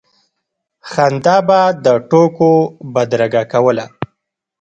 خندا به د ټوکو بدرګه کوله.